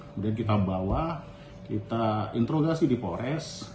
kemudian kita bawa kita interogasi di polres